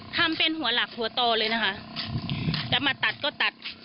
ทำเป็นหัวหลักหัวโตเลยนะคะแล้วมาตัดก็ตัด